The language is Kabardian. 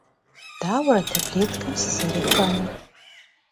Dauere tablêtkem sızerêfenur?